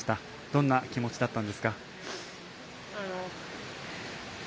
どんな気持ちだったんですか？